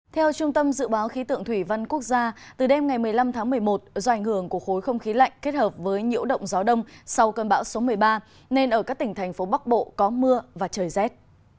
theo trung tâm dự báo khí tượng thủy văn quốc gia từ đêm ngày một mươi năm tháng một mươi một do ảnh hưởng của khối không khí lạnh kết hợp với nhiễu động gió đông sau cơn bão số một mươi ba nên ở các tỉnh thành phố bắc bộ có mưa và trời rét